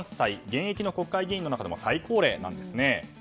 現役の国会議員の中でも最高齢なんですね。